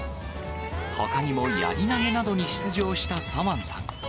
ほかにもやり投げなどに出場したサワンさん。